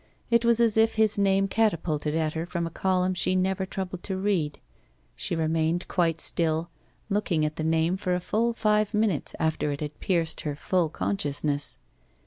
It was as if his name catapulted at her from a column she never troubled to read. She remained quite still, looking at the name for a full five minutes after it had pierced her full consciousness.